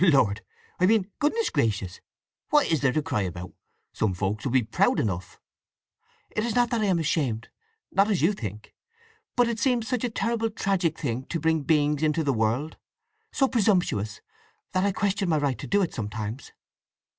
"Lord—I mean goodness gracious—what is there to cry about? Some folks would be proud enough!" "It is not that I am ashamed—not as you think! But it seems such a terribly tragic thing to bring beings into the world—so presumptuous—that I question my right to do it sometimes!"